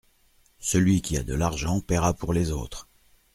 Celui qui a de l’argent paiera pour les autres.